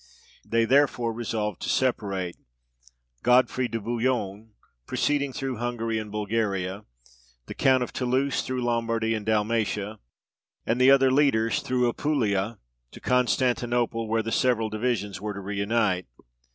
They therefore resolved to separate; Godfrey de Bouillon proceeding through Hungary and Bulgaria, the Count of Toulouse through Lombardy and Dalmatia, and the other leaders through Apulia to Constantinople, where the several divisions were to reunite.